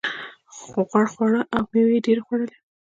غوړ خواړه او مېوې یې ډېرې خوړلې.